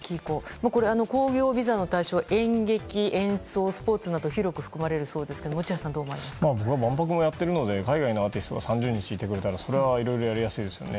興行ビザの対象は演劇、演奏、スポーツなど広く含まれるそうですが僕は万博もやっているのでアーティストの方が３０日もいてくれたらそれはいろいろやりやすいですよね。